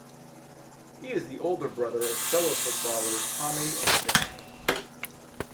He is the older brother of fellow footballers Tomi and Sammy.